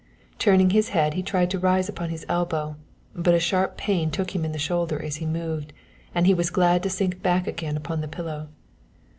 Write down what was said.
Turning his head he tried to rise upon his elbow, but a sharp pain took him in the shoulder as he moved, and he was glad to sink back again upon the pillow.